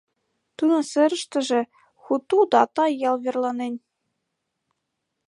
Тудын серыштыже Хуту-Дата ял верланен.